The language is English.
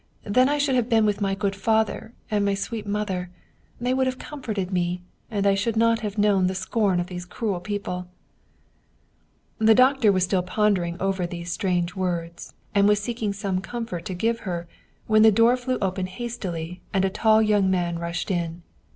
Then I should have been with my good father and my sweet mother they would have comforted me, and I should not have known the scorn of these cruel people !" The doctor was still pondering over these strange words, and was seeking some comfort to give her, when the door flew open hastily and a tall young man rushed in.